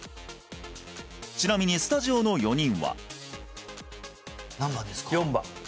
ちなみにスタジオの４人は何番ですか？